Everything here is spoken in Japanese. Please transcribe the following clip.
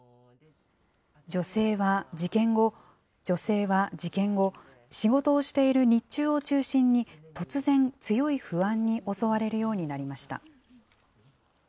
女性は事件後、仕事をしている日中を中心に、突然、強い不安に襲われるようになりました。